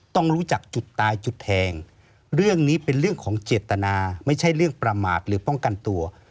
ต้องรู้จักจุดตายจุดแทงเรื่องนี้เป็นเรื่องของเจตนาไม่ใช่เรื่องประมาทหรือป้องกันตัว